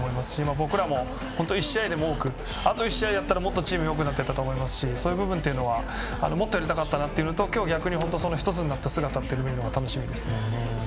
僕らも１試合でも多くあと１試合やったらもっとチームがよくなったと思いますしそういう部分ではもっとやりたかったというのと今日、その１つになった姿を見るのが楽しみですね。